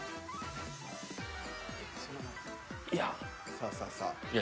さあさあさあ。